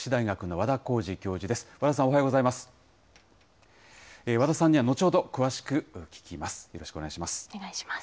和田さんには後ほど詳しく聞きます。